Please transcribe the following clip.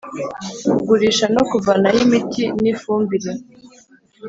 Kugurisha no kuvanaho imiti n ifumbire